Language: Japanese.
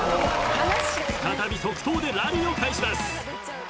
［再び即答でラリーを返します］